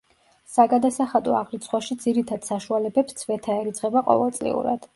საგადასახადო აღრიცხვაში ძირითად საშუალებებს ცვეთა ერიცხება ყოველწლიურად.